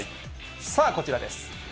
さあ、こちらです。